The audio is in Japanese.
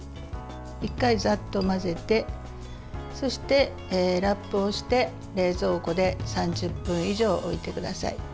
１回ざっと混ぜてそして、ラップをして冷蔵庫で３０分以上置いてください。